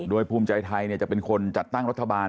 โดยภูมิใจไทยจะเป็นคนจัดตั้งรัฐบาล